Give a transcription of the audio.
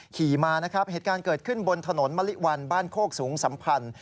การเกิดขึ้นบนถนนมะลิวัลบ้านโคกสูงสัมพันธ์